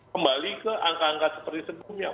kembali ke angka angka seperti sebelumnya